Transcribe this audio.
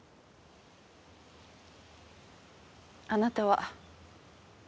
あなたは。